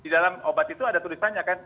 di dalam obat itu ada tulisannya kan